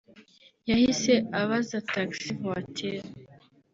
yahise abaza taxi voiture